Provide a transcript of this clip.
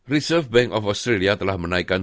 reserve bank of australia telah menaikkan